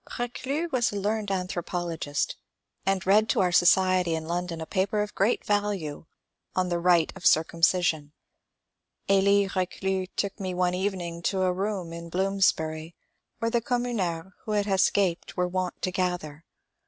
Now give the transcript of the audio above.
Rdclus was a learned anthropologist, and read to our society in London a paper of great value on the rite of circumcision. Elie R^clus took me one evening to a room in Blooms bury where the communards who had escaped were wont to gather.